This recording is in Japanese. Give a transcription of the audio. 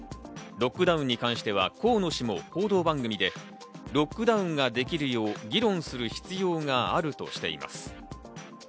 ロックダウンに関しては河野氏も報道番組でロックダウンができるよう議論する必要があるとしています。